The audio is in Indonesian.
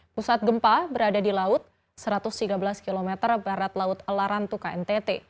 pusat gempa berada di laut satu ratus tiga belas km barat laut larantuka ntt